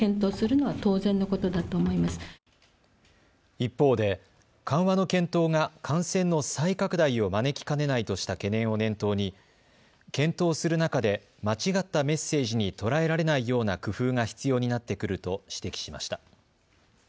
一方で緩和の検討が感染の再拡大を招きかねないとした懸念を念頭に検討する中で間違ったメッセージに捉えられないような工夫が必要になってくると指摘しました。